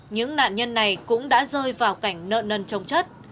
những nạn nhân này cũng đã rơi vào cảnh nợ nần trồng chất